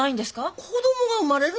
子供が生まれるんやよ。